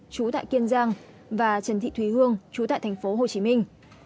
chú tại kiên giang và trần thị thùy hương chú tại thành phố hồ chí minh